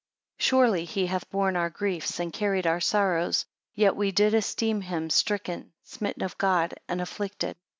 6 Surely he hath borne our griefs, and carried our sorrows yet we did esteem him stricken, smitten of God, and afflicted.